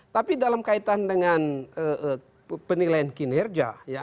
tapi dalam kaitan dengan penilaian kinerja